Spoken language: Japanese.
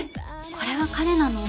これは彼なの。